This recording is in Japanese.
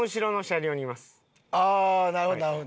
ああーなるほどなるほど。